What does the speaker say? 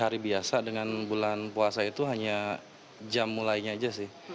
hari biasa dengan bulan puasa itu hanya jam mulainya aja sih